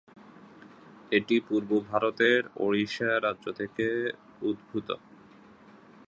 এটি পূর্ব ভারতের ওড়িশা রাজ্য থেকে উদ্ভূত।